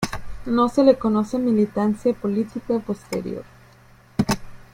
No se le conoce militancia política posterior.